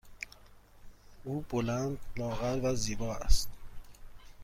او بلند، لاغر و زیبا است.